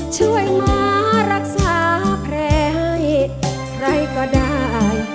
ช่วยมารักษาแพร่ให้ใครก็ได้